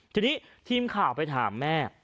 ทีนี้ทีมข่าวไปถามแม่